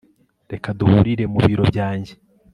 reka duhurire mu biro byanjye